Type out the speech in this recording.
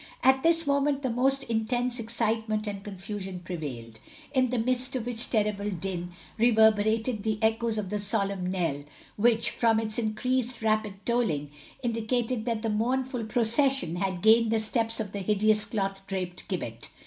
At this moment the most intense excitement and confusion prevailed, in the midst of which terrible din reverberated the echoes of the solemn knell, which, from its increased rapid tolling, indicated that the mournful procession had gained the steps of the hideous, cloth draped gibbet.